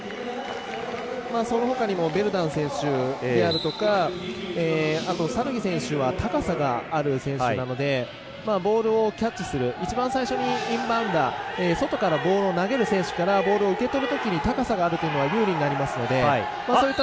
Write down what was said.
そのほかにもベルダン選手であるとかあとはサルギ選手は高さがある選手なのでボールをキャッチする一番最初、インバウンダー外からボールを投げる選手から、ボールを受け取るとき、高さがあるというのは有利になります。